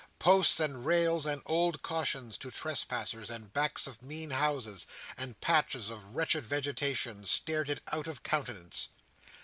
Posts, and rails, and old cautions to trespassers, and backs of mean houses, and patches of wretched vegetation, stared it out of countenance.